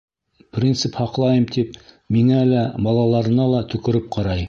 Принцип һаҡлайым тип, миңә лә, балаларына ла төкөрөп ҡарай.